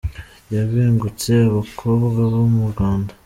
yabengutse abakobwa bo mu Rwanda